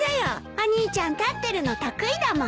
お兄ちゃん立ってるの得意だもんね。